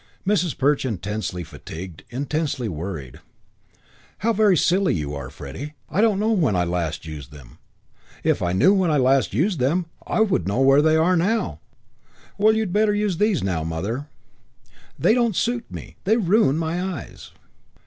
Mrs. Perch, intensely fatigued, intensely worried: "How very silly you are, Freddie! I don't know when I last used them. If I knew when I used them, I should know where they are now." "Well, you'd better use these now, Mother." "They don't suit me. They ruin my eyes."